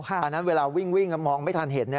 อันนั้นเวลาวิ่งมองไม่ทันเห็น